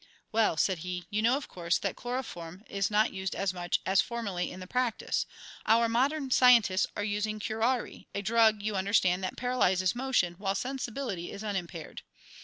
"Well," said he, "you know, of course, that chloroform is not used as much as formerly in the practice; our modern scientists are using curare, a drug, you understand, that paralyzes motion while sensibility is unimpaired.